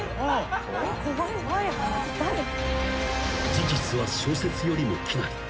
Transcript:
［事実は小説よりも奇なり］